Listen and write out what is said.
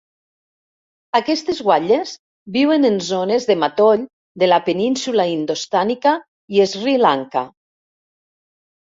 Aquestes guatlles viuen en zones de matoll de la Península indostànica i Sri Lanka.